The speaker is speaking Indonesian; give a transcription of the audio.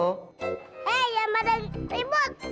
hei yang pada ribut